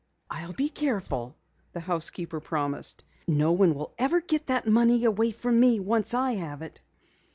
"I'll be careful," the housekeeper promised. "No one ever will get that money away from me once I have it!"